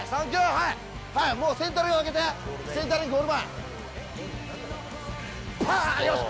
はい、はい、もうセンタリング上げて、センタリングよし！